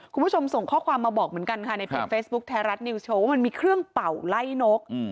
คุณผู้ชมส่งข้อความมาบอกเหมือนกันค่ะในเพจเฟซบุ๊คไทยรัฐนิวโชว์ว่ามันมีเครื่องเป่าไล่นก